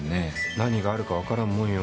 何があるか分からんもんよ